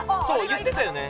言ってたよね。